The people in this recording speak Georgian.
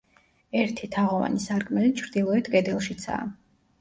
ერთი, თაღოვანი სარკმელი ჩრდილოეთ კედელშიცაა.